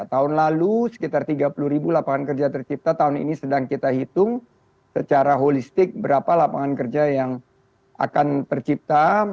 tahun lalu sekitar tiga puluh ribu lapangan kerja tercipta tahun ini sedang kita hitung secara holistik berapa lapangan kerja yang akan tercipta